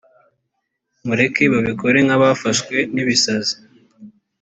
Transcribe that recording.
mureke babikore nk’abafashwe n’ibisazi